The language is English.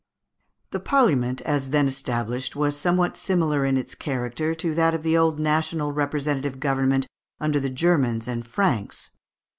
The Parliament as then established was somewhat similar in its character to that of the old national representative government under the Germans and Franks.